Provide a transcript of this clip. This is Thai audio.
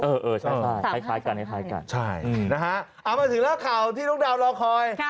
เอ่อใช่ค่ะเอามาถึงได้ข่าวที่ต้องด่าวรอคอย